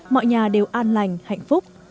mọi nhà đều an lành hạnh phúc